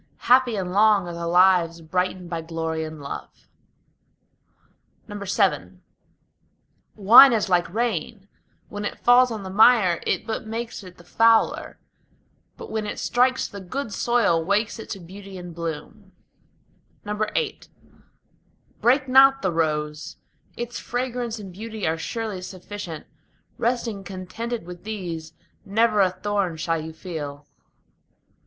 Happy and long are the lives brightened by glory and love. VII Wine is like rain: when it falls on the mire it but makes it the fouler, But when it strikes the good soil wakes it to beauty and bloom. VIII Break not the rose; its fragrance and beauty are surely sufficient: Resting contented with these, never a thorn shall you feel.